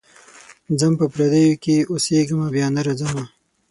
ځم په پردیو کي اوسېږمه بیا نه راځمه.